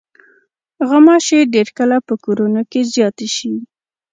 غوماشې ډېر کله په کورونو کې زیاتې شي.